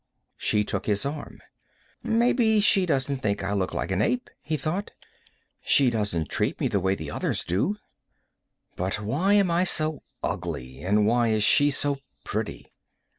She took his arm. Maybe she doesn't think I look like an ape, he thought. She doesn't treat me the way the others do. But why am I so ugly, and why is she so pretty?